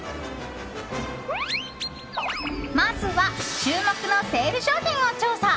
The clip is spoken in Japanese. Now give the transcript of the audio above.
まずは注目のセール商品を調査。